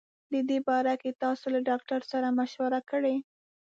په دي باره کي تاسو له ډاکټر سره مشوره کړي